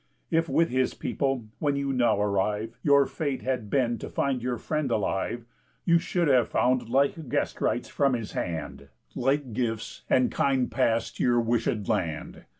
If with his people, where you now arrive, Your fate had been to find your friend alive, You should have found like guest rites from his hand, Like gifts, and kind pass to your wishéd land.